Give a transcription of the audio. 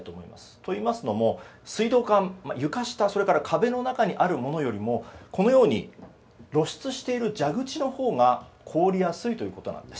といいますのも、水道管は床下、壁の中にあるものよりもこのように露出している蛇口のほうが凍りやすいということなんです。